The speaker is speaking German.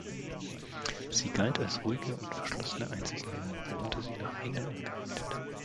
Sie galt als ruhige und verschlossene Einzelgängerin, worunter sie nach eigenen Angaben litt.